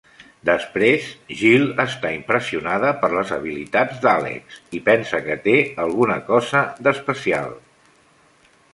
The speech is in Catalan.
Després, Gill està impressionada per les habilitats d'Alex i pensa que té alguna cosa d'especial.